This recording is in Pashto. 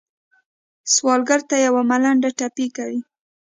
سوالګر ته یو ملنډه ټپي کوي